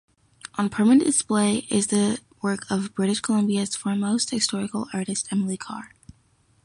On permanent display is the work of British Columbia's foremost historical artist Emily Carr.